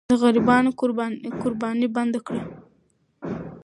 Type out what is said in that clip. د غریبانو قرباني بنده کړه.